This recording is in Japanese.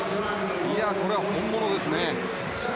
これは本物ですね。